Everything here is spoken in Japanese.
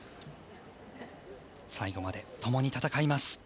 最後まで、ともに戦います。